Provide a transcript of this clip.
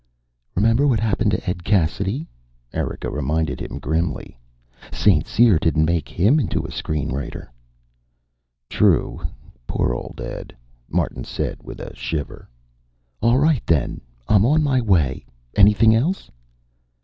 "Remember what happened to Ed Cassidy?" Erika reminded him grimly. "St. Cyr didn't make him into a screen writer." "True. Poor old Ed," Martin said, with a shiver. "All right, then. I'm on my way. Anything else?"